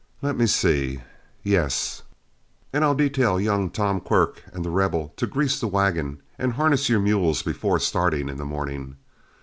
Let me see; yes, and I'll detail young Tom Quirk and The Rebel to grease the wagon and harness your mules before starting in the morning.